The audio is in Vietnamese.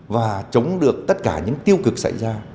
và chống được tất cả những tiêu cực xảy ra